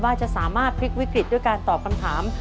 ว่าจะสามารถพลิกวิกฤตด้วยการตอบคำถาม